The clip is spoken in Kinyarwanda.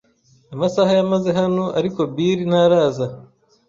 amasaha yamaze hano, ariko Bill ntaraza